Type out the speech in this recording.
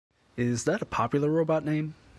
Is that a popular robot name?